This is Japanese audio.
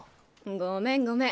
ごめんごめん。